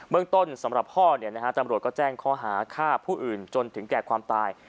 เมืองต้นสำหรับพ่อตำรวจก็แจ้งข้อหาฆ่าผู้อื่นจนถึงแก่ความตาย